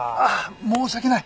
申し訳ない！